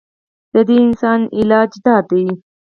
د دې اسان علاج دا دے